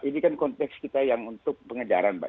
ini kan konteks kita yang untuk pengejaran mbak